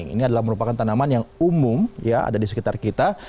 ini adalah merupakan tanaman yang umum ya ada di sekitar kita